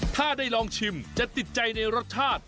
ถ้าได้ลองชิมจะติดใจในรสชาติ